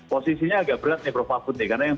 posisinya agak berat nih prof mahfud nih karena yang